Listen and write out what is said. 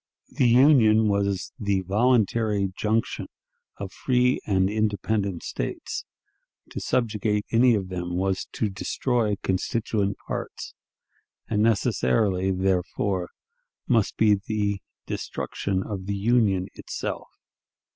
The Union was the voluntary junction of free and independent States; to subjugate any of them was to destroy constituent parts, and necessarily, therefore, must be the destruction of the Union itself.